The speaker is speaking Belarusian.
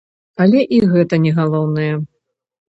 Але і гэта не галоўнае.